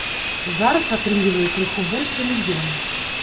Зараз атрымлівае крыху больш за мільён.